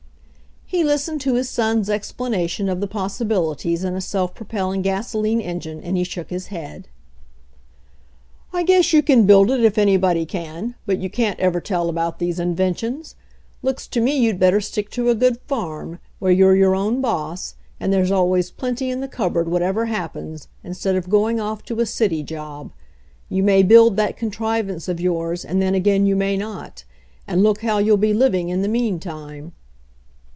He listened to his son's explanation of the pos sibilities in a self propelling gasoline engine and he shook his head. "I guess you can build it if anybody can, but you can't ever tell about these inventions. Looks to me you'd better stick to a good farm, where you're your own boss, and there's always plenty in the cupboard whatever happens, instead of go ing off to a city job. You may build that con trivance of yours and then again you may not, and look how you'll be living in the meantime."